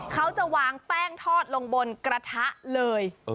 เขาจะวางแป้งทอดลงบนกระทะเลย